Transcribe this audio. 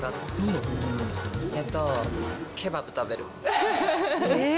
めっちゃケバブ食べる。